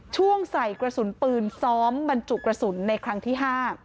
ช่วงใส่กระสุนปืนซ้อมบรรจุกระสุนในครั้งที่๕